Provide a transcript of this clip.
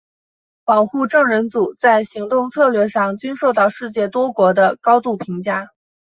保护证人组在行动策略上均受到世界多国的高度评价。